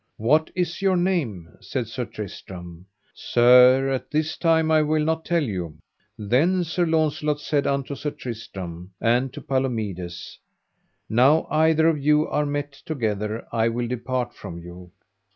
What is your name? said Sir Tristram. Sir, at this time I will not tell you. Then Sir Launcelot said unto Sir Tristram and to Palomides: Now either of you are met together I will depart from you.